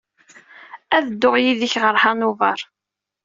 Ad dduɣ yid-k ɣer Hanover.